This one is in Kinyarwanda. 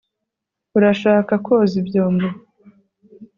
urashaka koza ibyombo